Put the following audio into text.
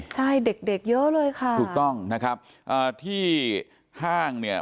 ใช่เด็กเด็กเยอะเลยค่ะถูกต้องนะครับอ่าที่ห้างเนี่ย